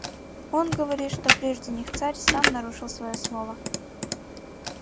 Он говорит, что прежде них царь сам нарушил свое слово.